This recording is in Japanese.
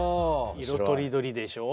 いろとりどりでしょ。